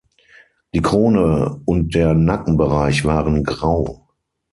Die Krone und der Nackenbereich waren grau.